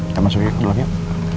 kita masuk ke dalam yuk